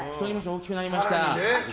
大きくなりました。